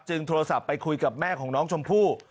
โทรศัพท์ไปคุยกับแม่ของน้องชมพู่